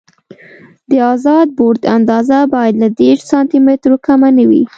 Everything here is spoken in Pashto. د ازاد بورډ اندازه باید له دېرش سانتي مترو کمه نه وي